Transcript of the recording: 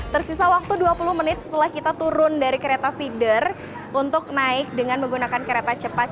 tersisa waktu dua puluh menit setelah kita turun dari kereta feeder untuk naik dengan menggunakan kereta cepat